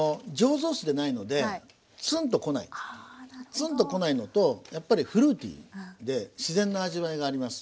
ツンと来ないのとやっぱりフルーティーで自然な味わいがあります。